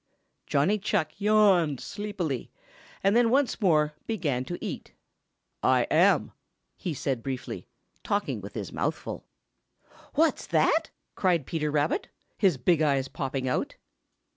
Johnny Chuck yawned sleepily and then once more began to eat. "I am," he said briefly, talking with his mouth full. "What's that?" cried Peter Rabbit, his big eyes popping out.